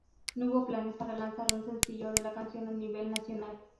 No hubo planes para lanzar un sencillo de la canción a nivel nacional.